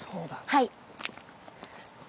はい。